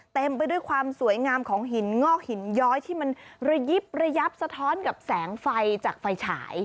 เต็มไปด้วยความสวยงามของหินงอกหินย้อยที่มันระยิบระยับสะท้อนกับแสงไฟจากไฟฉาย